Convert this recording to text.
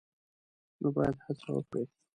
نو باید هڅه وکړي